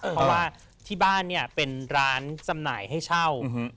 เพราะว่าที่บ้านเนี่ยเป็นร้านจำหน่ายให้เช่า